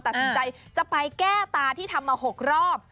ตัดสินใจจะไปแก้ตาที่ทำมา๖รอบ